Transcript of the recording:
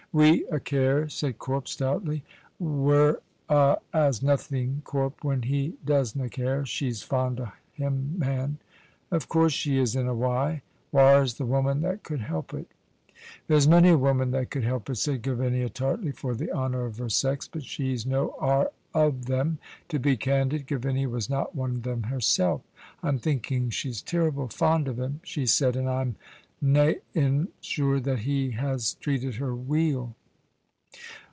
"We a' care," said Corp, stoutly. "We're a' as nothing, Corp, when he doesna care. She's fond o' him, man." "Of course she is, in a wy. Whaur's the woman that could help it?" "There's many a woman that could help it," said Gavinia, tartly, for the honour of her sex, "but she's no are o' them." To be candid, Gavinia was not one of them herself. "I'm thinking she's terrible fond o' him," she said, "and I'm nain sure that he has treated her weel."